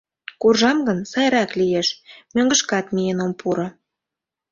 — Куржам гын, сайрак лиеш... мӧҥгышкат миен ом пуро».